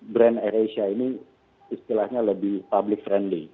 brand air asia ini istilahnya lebih public friendly